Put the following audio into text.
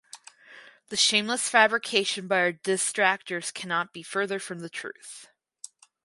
The shameless fabrication by our distractors cannot be further from the truth.